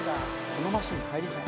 「このマシンに入りたい」